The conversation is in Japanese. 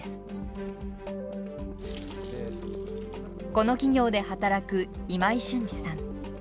この企業で働く今井俊次さん。